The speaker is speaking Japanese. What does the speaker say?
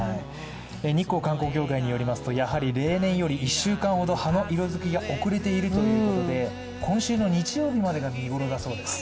日光観光協会によりますとやはり例年より１週間ほど葉の色づきが遅れているということで今週日曜日までが見頃だそうです。